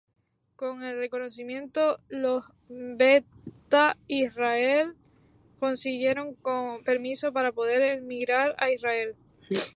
Con el reconocimiento, los Beta Israel consiguieron permiso para poder emigrar a Israel.